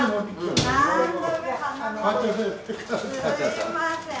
すいません。